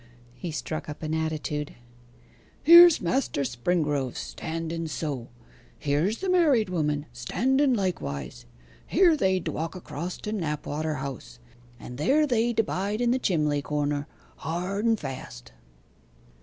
He struck up an attitude 'Here's Master Springrove standen so: here's the married woman standen likewise; here they d'walk across to Knapwater House; and there they d'bide in the chimley corner, hard and fast.